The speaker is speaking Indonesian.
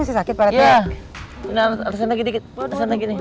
nah atasnya lagi dikit